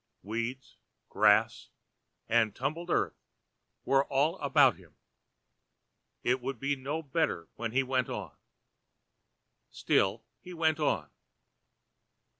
Weeds, grass and tumbled earth were all about him. It would be no better when he went on. Still he went on.